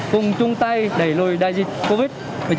cùng chung tay đẩy lùi đại dịch covid một mươi chín